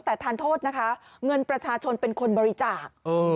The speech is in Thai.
แต่ทานโทษนะคะเงินประชาชนเป็นคนบริจาค